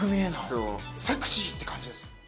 セクシーって感じです。